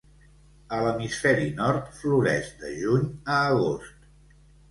A l'hemisferi nord floreix de juny a agost.